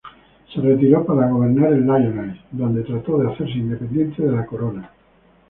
Se retiró para gobernar el Lyonnais, donde trató de hacer independiente de la Corona.